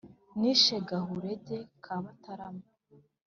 Nishe Gahurege ka Batarama